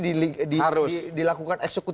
dilakukan eksekutif oleh badan ini